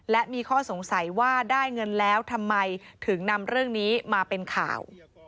และมีข้อสงสัยว่าได้เงินแล้วทำไมถึงนำเรื่องนี้มาเป็นข่าว